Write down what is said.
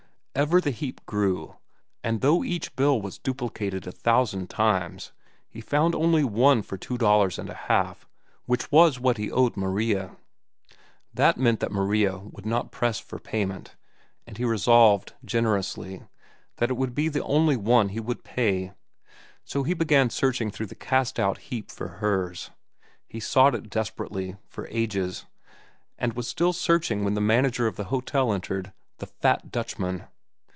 Ever the heap grew, and though each bill was duplicated a thousand times, he found only one for two dollars and a half, which was what he owed Maria. That meant that Maria would not press for payment, and he resolved generously that it would be the only one he would pay; so he began searching through the cast out heap for hers. He sought it desperately, for ages, and was still searching when the manager of the hotel entered, the fat Dutchman.